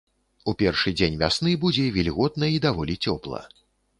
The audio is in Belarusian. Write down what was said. У першы дзень вясны будзе вільготна і даволі цёпла.